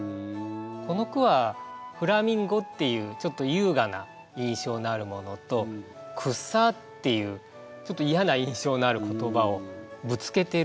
この句は「フラミンゴ」っていうちょっと優雅な印象のあるものと「くっさー」っていうちょっと嫌な印象のある言葉をぶつけてる。